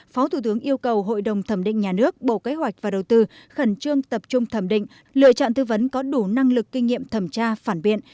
phó thủ tướng yêu cầu hội đồng thẩm định nhà nước bộ kế hoạch và đầu tư khẩn trương tập trung thẩm định lựa chọn tư vấn có đủ năng lực kinh nghiệm thẩm tra phản biện